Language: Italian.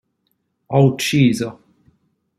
Ho ucciso!